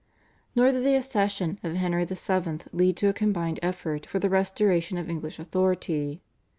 Nor did the accession of Henry VII. lead to a combined effort for the restoration of English authority.